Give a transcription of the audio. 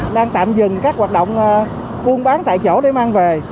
đang tạm dừng các hoạt động buôn bán tại chỗ để mang về